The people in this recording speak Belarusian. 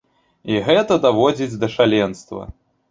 І гэта даводзіць да шаленства.